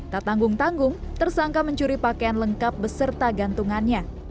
tak tanggung tanggung tersangka mencuri pakaian lengkap beserta gantungannya